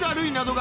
が